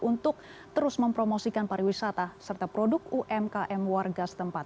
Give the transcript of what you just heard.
untuk terus mempromosikan pariwisata serta produk umkm warga setempat